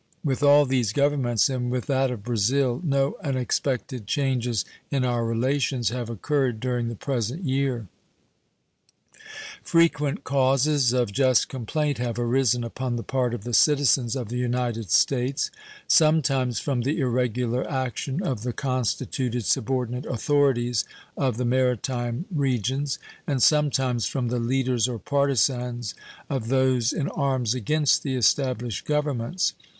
With all these Governments and with that of Brazil no unexpected changes in our relations have occurred during the present year. Frequent causes of just complaint have arisen upon the part of the citizens of the United States, some times from the irregular action of the constituted subordinate authorities of the maritime regions and some times from the leaders or partisans of those in arms against the established Governments.